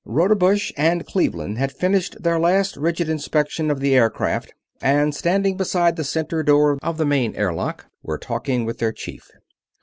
Rodebush and Cleveland had finished their last rigid inspection of the aircraft and, standing beside the center door of the main airlock, were talking with their chief.